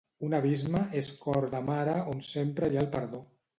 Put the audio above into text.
Un abisme és cor de mare on sempre hi ha el perdó.